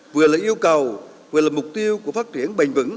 vừa là yêu cầu vừa là mục tiêu của phát triển